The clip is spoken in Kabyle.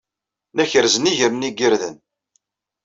La kerrzen iger-nni n yirden.